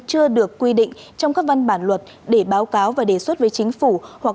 chưa được quy định trong các văn bản luật để báo cáo và đề xuất với chính phủ hoặc